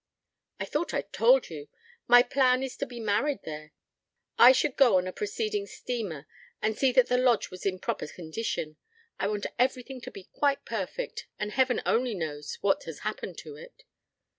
"I thought I'd told you. My plan is to be married there. I should go on a preceding steamer and see that the Lodge was in proper condition. I want everything to be quite perfect, and Heaven only knows what has happened to it."